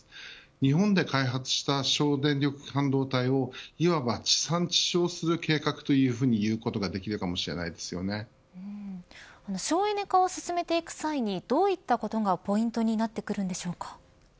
日本で開発した省電力半導体をいわば、地産地消する計画というふうに省エネ化を進めていく際にどういったことがポイントになっていくんでしょうか。